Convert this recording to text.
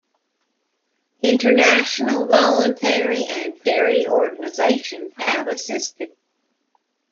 International voluntary and charity organisations have assisted.